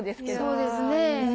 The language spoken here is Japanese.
そうですね。